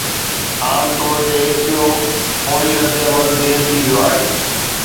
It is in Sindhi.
عام طور تي ٻيو فوري رد عمل دير ٿي ويو آهي.